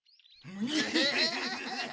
グフフフ。